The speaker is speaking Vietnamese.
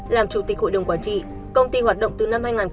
làm chủ tịch hội đồng quản trị công ty hoạt động từ năm hai nghìn bốn